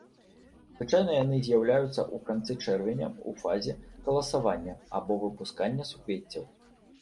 Звычайна яны з'яўляюцца ў канцы чэрвеня ў фазе каласавання або выпускання суквеццяў.